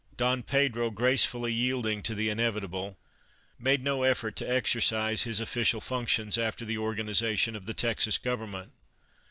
Don Pedro, gracefully yielding to the inevitable, made no effort to exercise his official functions after the organization of the Texas government.